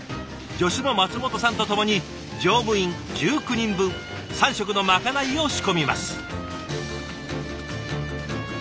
助手の松本さんと共に乗務員１９人分３食のまかないを仕込みます。